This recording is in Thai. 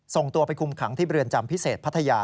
ส่งตัวไปคุมขังที่เรือนจำพิเศษพัทยา